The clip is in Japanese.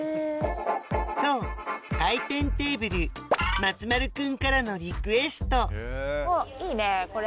そう回転テーブル松丸君からのリクエストいいねこれ！